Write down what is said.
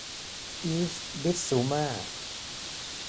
อีฟส์ บิสซูม่า